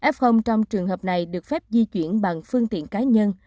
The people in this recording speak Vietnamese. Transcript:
f trong trường hợp này được phép di chuyển bằng phương tiện cá nhân